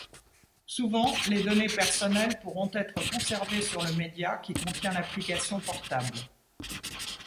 Souvent les données personnelles pourront être conservées sur le média qui contient l'application portable.